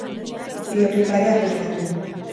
Bideoklipa ere argitaratu du.